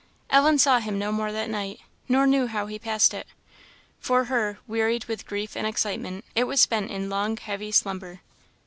Ellen saw him no more that night, nor knew how he passed it. For her, wearied with grief and excitement, it was spent in long, heavy slumber.